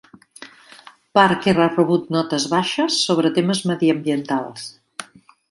Parker ha rebut notes baixes sobre temes mediambientals.